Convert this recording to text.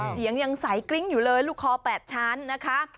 เสียงยังใสกริ้งอยู่เลยลูกคอ๘ชั้นนะคะ